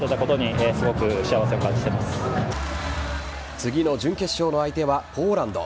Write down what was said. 次の準決勝の相手はポーランド。